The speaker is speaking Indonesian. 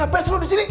napas lo di sini